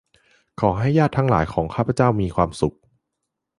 ขอให้ญาติทั้งหลายของข้าพเจ้ามีความสุข